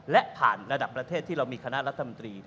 และผ่านระดับประเทศที่เรามีคณะรัฐมนตรี